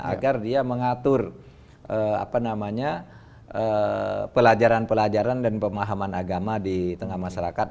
agar dia mengatur pelajaran pelajaran dan pemahaman agama di tengah masyarakat